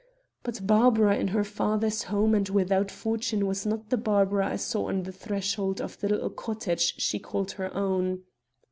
But Barbara in her father's home and without fortune was not the Barbara I saw on the threshold of the little cottage she called her own.